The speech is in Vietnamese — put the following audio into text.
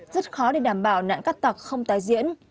rất khó để đảm bảo nạn cắt tặc không tái diễn